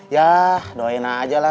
yah doain aja lah